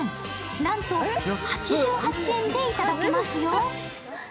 なんと８８円で頂けますよ。